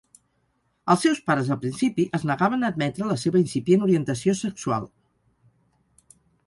Els seus pares al principi es negaven a admetre la seva incipient orientació sexual.